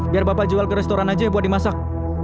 biar bapak jual ke restoran aja ya buat dimasak